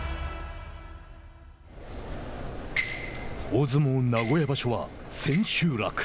大相撲名古屋場所は千秋楽。